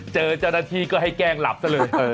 เจอเจ้าหน้าที่ก็ให้แกล้งหลับซะเลย